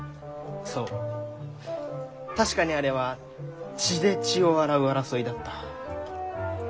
そう確かにあれは血で血を洗う争いだった。